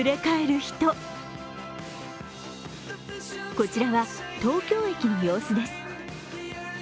こちらは東京駅の様子です。